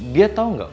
dia tau nggak